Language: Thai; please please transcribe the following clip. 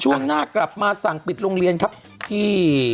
ช่วงหน้ากลับมาสั่งปิดโรงเรียนครับที่